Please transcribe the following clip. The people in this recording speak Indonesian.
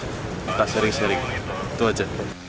kita sering sering itu aja